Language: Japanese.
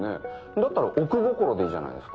だったら「奥心」でいいじゃないですか。